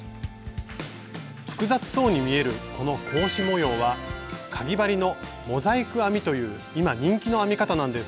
複雑そうに見えるこの格子模様はかぎ針の「モザイク編み」という今人気の編み方なんです。